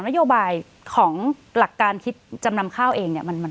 นโยบายของหลักการคิดจำนำข้าวเองเนี่ย